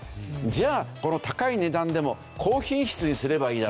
じゃあこの高い値段でも高品質にすればいいだろう。